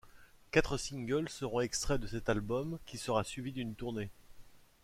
Quatre singles seront extraits de cet album qui sera suivi d'une tournée.